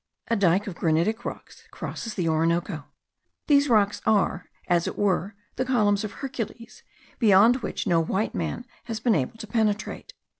A dyke of granitic rocks crosses the Orinoco these rocks are, as it were, the columns of Hercules, beyond which no white man has been able to penetrate.